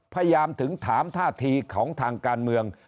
พยายามถึงถามท่าทีของทางการเมือง